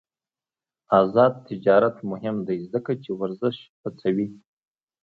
آزاد تجارت مهم دی ځکه چې ورزش هڅوي.